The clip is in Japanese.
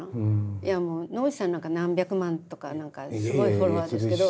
いやもう野口さんなんか何百万とか何かすごいフォロワーですけど。